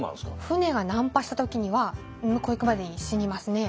船が難破した時には向こう行くまでに死にますね。